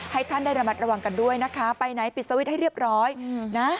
ให้ท่านได้ระมัดระวังกันด้วยนะคะไปไหนปิดสวิตช์ให้เรียบร้อยนะ